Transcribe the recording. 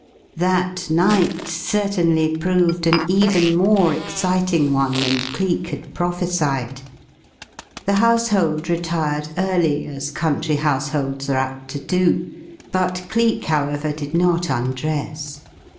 That night certainly proved an even more exciting one than Cleek had prophesied. The household retired early, as country households are apt to do, but Cleek, however, did not undress.